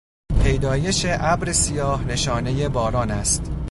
پیدایش ابر سیاه نشانهی باران است.